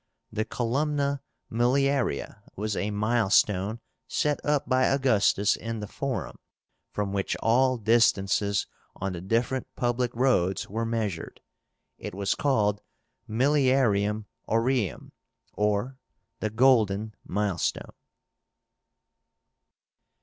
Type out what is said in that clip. The COLUMNA MILLIARIA was a milestone set up by Augustus in the Forum, from which all distances on the different public roads were measured. It was called Milliarium Aureum, or the golden milestone.